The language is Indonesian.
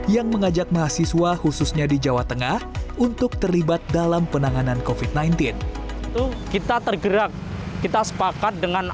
yang mengajak mahasiswa khususnya di jawa tengah untuk terlibat dalam penanganan kofit sembilan belas